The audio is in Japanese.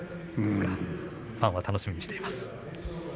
ファンは楽しみにしています。